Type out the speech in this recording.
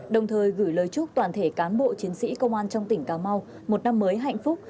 đồng thời gửi lời chúc toàn thể cán bộ chiến sĩ công an trong tỉnh cà mau một năm mới hạnh phúc